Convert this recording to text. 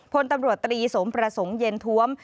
พลตำรวจตรีสมประสงค์เย็นท้วม